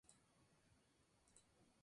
La arista es una enorme masa de hielo y roca.